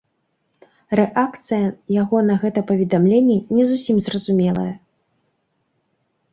Рэакцыя яго на гэта паведамленне не зусім зразумелая.